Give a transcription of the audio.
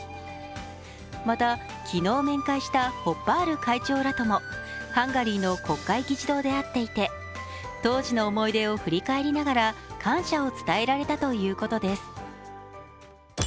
また、昨日面会したホッパール会長らともハンガリーの国会議事堂で会っていて当時の思い出を振り返りながら感謝を伝えられたということです。